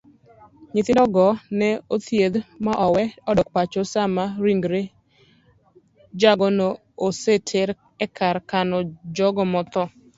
Nyithindogo ne othiedh maowe odok pacho sama ringre jagono oseter ekar kano jogo mothoo.